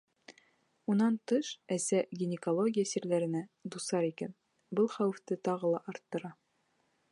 Унан тыш, әсә гинекология сирҙәренә дусар икән, был хәүефте тағы ла арттыра.